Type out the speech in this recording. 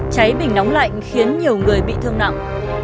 cháy bình nóng lạnh khiến nhiều người bị thương nặng